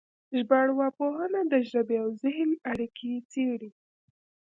ژبارواپوهنه د ژبې او ذهن اړیکې څېړي